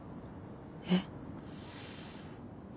えっ？